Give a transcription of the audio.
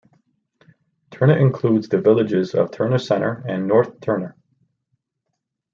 Turner includes the villages of Turner Center and North Turner.